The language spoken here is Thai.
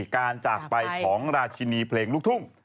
การจากไปของราชินีเพลงลูกทุ่ง